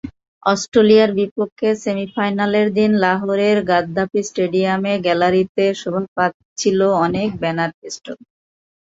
অস্ট্রেলিয়ার বিপক্ষে সেমিফাইনালের দিন লাহোরের গাদ্দাফি স্টেডিয়ামের গ্যালারিতে শোভা পাচ্ছিল অনেক ব্যানার-ফেস্টুন।